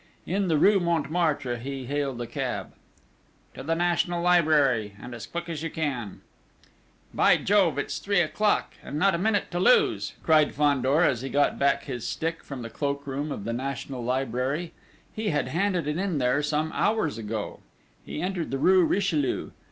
In the rue Montmartre he hailed a cab: "To the National Library! And as quick as you can!" "By Jove! It's three o'clock! I've not a minute to lose!" cried Fandor as he got back his stick from the cloak room of the National Library: he had handed it in there some hours ago. He entered the rue Richelieu.